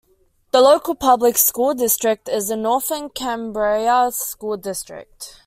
The local public school district is the Northern Cambria School District.